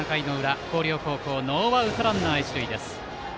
広陵高校、ノーアウトランナー、一塁です。